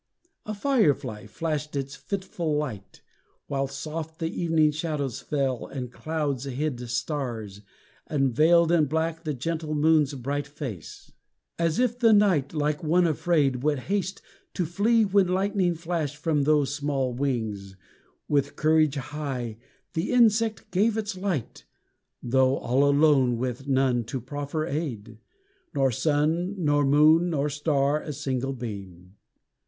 A fire fly flashed its fitful light, while soft The evening shadows fell, and clouds hid stars, And veiled in black the gentle moon's bright face; As if the night, like one afraid, would haste To flee when lightning flashed from those small wings, With courage high the insect gave its light, Though all alone with none to proffer aid Nor sun, nor moon, nor star a single beam.